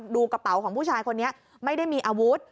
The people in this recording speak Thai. ดูกระเป๋าของผู้ชายคนนี้ไม่ได้มีอาวุธ